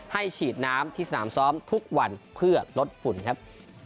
ฉีดน้ำที่สนามซ้อมทุกวันเพื่อลดฝุ่นครับ